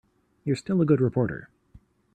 You're still a good reporter.